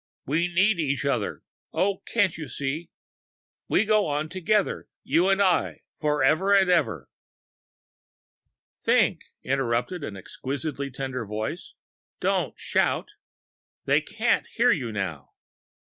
We need each other oh, can't you see we go on together you and I for ever and ever " "Think," interrupted an exquisitely tender voice, "don't shout! They can't hear you now."